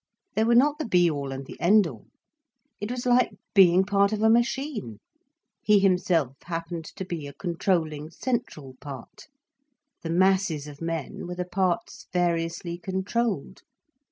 They were not the be all and the end all. It was like being part of a machine. He himself happened to be a controlling, central part, the masses of men were the parts variously controlled.